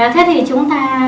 thế thì chúng ta